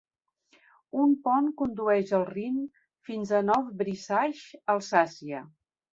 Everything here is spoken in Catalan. Un pont condueix al Rin fins a Neuf-Brisach, Alsàcia.